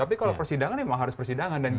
tapi kalau persidangan memang harus persidangan